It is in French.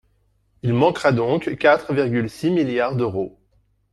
Il manquera donc quatre virgule six milliards d’euros.